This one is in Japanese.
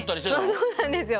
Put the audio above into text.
そうなんですよ。